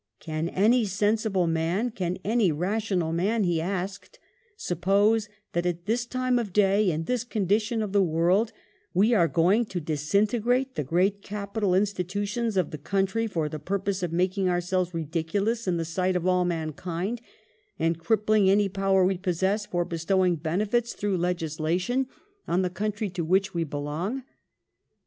Can any sensible man, can any rational man," he asked, "suppose that at this time of day, in this condition of the world, we are going to disintegrate the great capital institutions of the country for the purpose of making ourselves ridiculous in the sight of all mankind, and crippling any power we possess for be stowing benefits, through legislation, on the country to which we belong?"